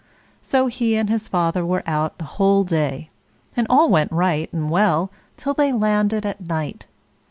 So he and his father were out the whole day, and all went right and well till they landed at night.